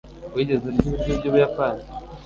wigeze urya ibiryo by'ubuyapani